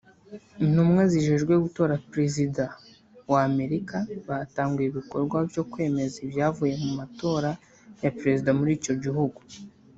Intumwa zijejwe gutora prezida wa Amerika batanguye ibikorwa vyo kwemeza ivyavuye mu matora ya prezida muri ico gihugu